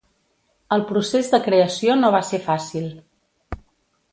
El procés de creació no va ser fàcil.